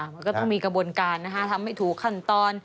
มันก็ต้องมีกระบวนการนะคะทำให้ถูกขั้นตอน